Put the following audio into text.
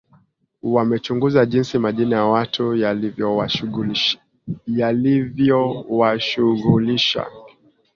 Wamechunguza jinsi majina ya watu yalivyowashughulisha